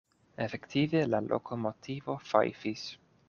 Efektive la lokomotivo fajfis.